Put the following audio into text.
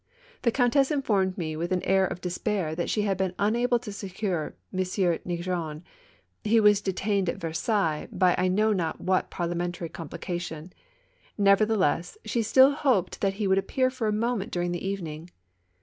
The Countess informed me with an air of despair that she had been unable to secure M. Neigeon ; he was detained at Versailles by I know not what Par liamentary complication. Nevertheless, she still hoped that he would appear for a moment during the evening.